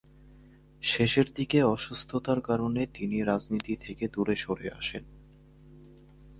শেষের দিকে অসুস্থতার কারণে তিনি রাজনীতি থেকে দূরে সরে আসেন।